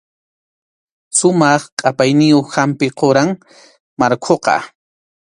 Sumaq qʼapayniyuq hampi quram markhuqa.